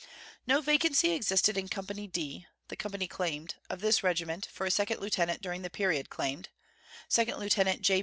No vacancy existed in Company D (the company claimed) of this regiment for a second lieutenant during the period claimed, Second Lieutenant J.